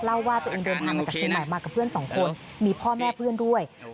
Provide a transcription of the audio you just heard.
เล่าว่าตัวเองเดินทางมาจากชมัยมากกับเพื่อนสองคนมีพ่อแม่เพื่อนด้วยนะครับ